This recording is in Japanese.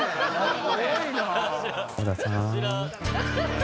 小田さん？